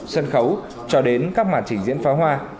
sân khấu cho đến các màn trình diễn pháo hoa